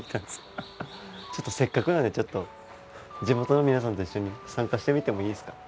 せっかくなんでちょっと地元の皆さんと一緒に参加してみてもいいですか？